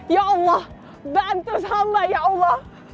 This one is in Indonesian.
ya allah bantu sama ya allah